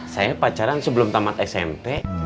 saya pacaran sebelum tamat smp